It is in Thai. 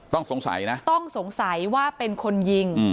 ต้องสงสัยนะต้องสงสัยว่าเป็นคนยิง